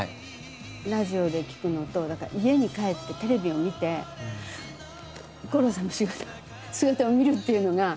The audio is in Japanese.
ラジオで聴くのとだから家に帰ってテレビを見て五郎さんの姿を見るっていうのが。